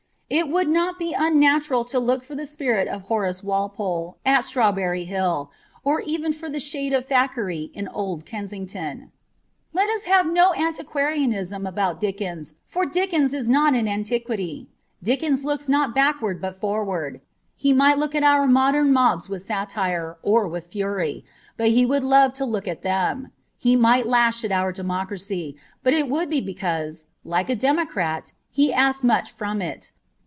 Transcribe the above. It would not be unnatural to look for the spirit of Horace Walpole at Strawberry Hill, or even for the shade of Thackeray in old Kensington. But let us have 416 no antiquarianism about Dickens for Dickens is not an antiquity. Dickens looks not backward but forward ; he might look at our modern mobs with satire, or with fury, but he would love to look at them. He might lash our democracy, but it would be because, like a democrat, he asked much from it.